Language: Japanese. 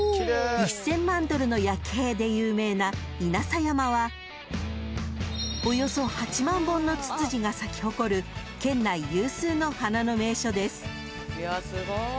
［で有名な稲佐山はおよそ８万本のツツジが咲き誇る県内有数の花の名所です］